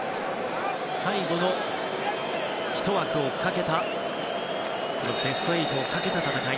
最後の１枠をかけたベスト８をかけた戦い。